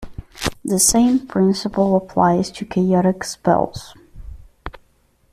The same principle applies to chaotic spells.